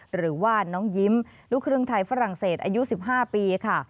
หรือว่าน้องยิ้มลูกครึ่งไทยฝรั่งเศสอายุ๑๕ปีค่ะ